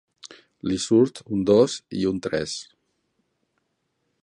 Li surt un dos i un tres.